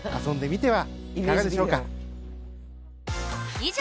以上！